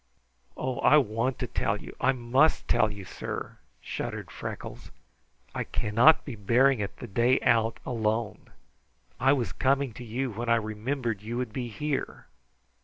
"Oh, I want to tell you! I must tell you, sir," shuddered Freckles. "I cannot be bearing it the day out alone. I was coming to you when I remimbered you would be here."